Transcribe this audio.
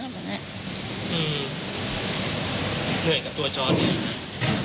เหนื่อยกับตัวจอร์ด